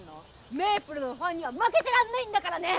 めいぷるのファンには負けてらんないんだからね！